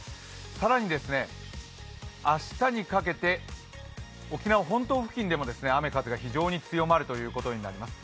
更に明日にかけて沖縄本島付近でも雨風が非常に強まるとみられています。